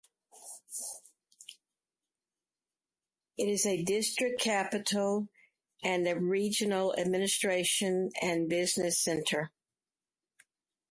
It is a district capital and a regional administration and business center.